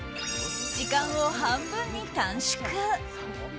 時間を半分に短縮！